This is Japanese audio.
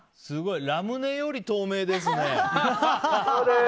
すごい、ラムネより透明ですね。